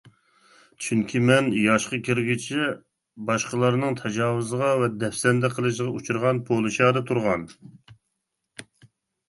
چۈنكى، مەن ياشقا كىرگۈچە، باشقىلارنىڭ تاجاۋۇزىغا ۋە دەپسەندە قىلىشىغا ئۇچرىغان پولشادا تۇرغان.